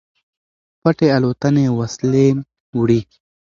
پټې الوتنې وسلې وړي.